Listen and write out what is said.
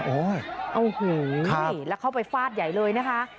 โอ้โหแล้วเข้าไปฟาดใหญ่เลยนะคะ